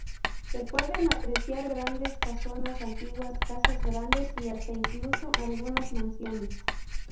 Se pueden apreciar grandes casonas antiguas, casas grandes y hasta incluso algunas mansiones.